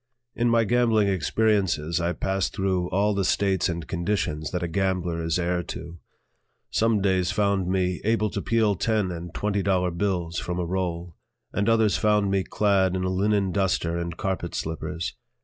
In my gambling experiences I passed through all the states and conditions that a gambler is heir to. Some days found me able to peel ten and twenty dollar bills from a roll, and others found me clad in a linen duster and carpet slippers.